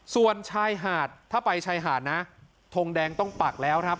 ส่วนชายหาดถ้าไปชายหาดนะทงแดงต้องปักแล้วครับ